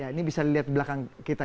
ya ini bisa dilihat di belakang kita